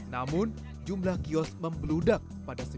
namun jumlah kios membludak pada seribu sembilan ratus sembilan puluh